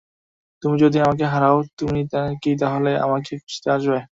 তুমি যদি আমাকে হারাও, তুমি কি তাহলে আমাকেও খুঁজতে আসবে?